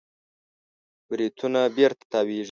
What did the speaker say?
بریتونونه بېرته تاوېږي.